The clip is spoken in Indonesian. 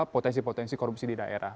potensi potensi korupsi di daerah